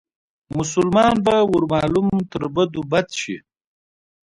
مسلمان به ور معلوم تر بدو بد شي